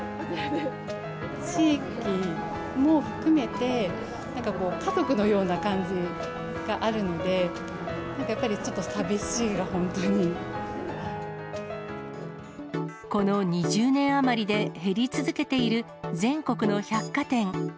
地域も含めて、なんかこう、家族のような感じがあるので、なんかやっぱり、この２０年余りで減り続けている全国の百貨店。